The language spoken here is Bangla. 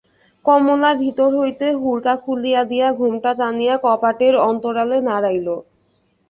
কমলা ভিতর হইতে হুড়কা খুলিয়া দিয়া ঘোমটা টানিয়া কপাটের অন্তরালে দাঁড়াইল।